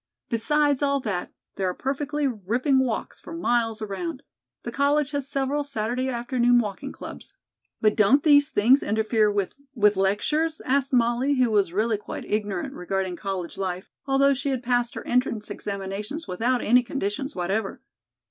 Besides all that, there are perfectly ripping walks for miles around. The college has several Saturday afternoon walking clubs." "But don't these things interfere with with lectures?" asked Molly, who was really quite ignorant regarding college life, although she had passed her entrance examinations without any conditions whatever.